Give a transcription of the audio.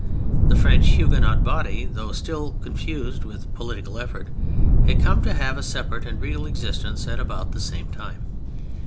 The French Huguenot body, though still confused with political effort, had come to have a separate and real existence at about the same time.